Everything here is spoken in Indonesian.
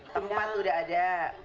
tempat sudah ada